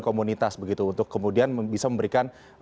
komunitas begitu untuk kemudian bisa memberikan